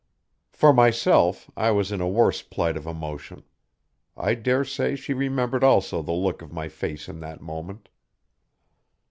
For myself I was in a worse plight of emotion. I dare say she remembered also the look of my face in that moment.